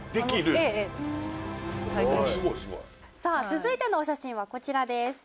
ええええさあ続いてのお写真はこちらです